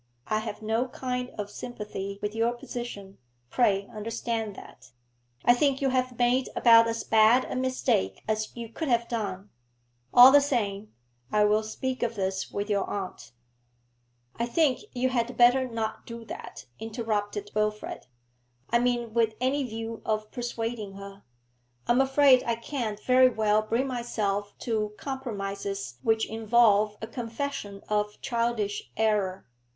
I have no kind of sympathy with your position, pray understand that. I think you have made about as bad a mistake as you could have done. All the same, I will speak of this with your aunt ' 'I think you had better not do that,' interrupted Wilfrid, 'I mean with any view of persuading her. I am afraid I can't very well bring myself to compromises which involve a confession of childish error.